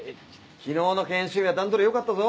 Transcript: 昨日の研修医は段取りよかったぞ。